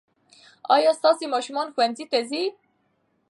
ايا ستاسې ماشومان ښوونځي ته ځي؟